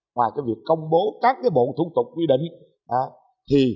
ngoài việc công bố các bộ thủ tục quy định